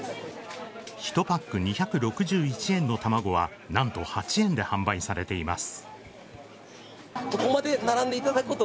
１パック２６１円の卵は何と８円で販売されています。